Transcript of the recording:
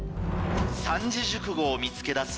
三字熟語を見つけ出す